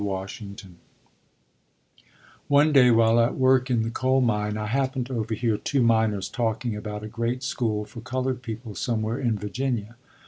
Washington One day, while at work in the coal mine, I happened to overhear two miners talking about a great school for colored people somewhere in Virginia.